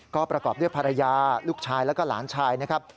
ก็ประกอบด้วยภรรยาลูกชายแล้วก็หลานชายนะครับ